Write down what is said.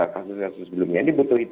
kasus kasus sebelumnya ini butuh